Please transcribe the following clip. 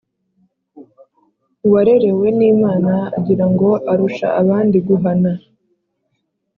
Uwarerewe n’Imana agira ngo arusha abandi guhana.